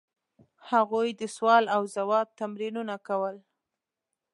هغوی د سوال او ځواب تمرینونه کول.